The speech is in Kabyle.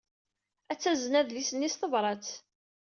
Ad tazen adlis-nni s tebṛat.